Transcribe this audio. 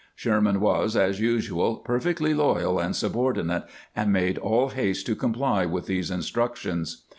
Sherman was, as usual, perfectly loyal and subordinate, and made all haste to comply with these instructions.